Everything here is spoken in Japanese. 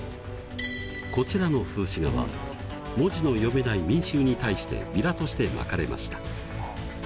こちらの風刺画は文字の読めない民衆に対してビラとしてまかれました。